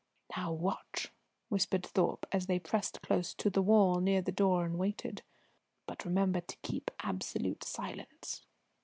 "Now watch!" whispered Thorpe, as they pressed close to the wall near the door and waited. "But remember to keep absolute silence.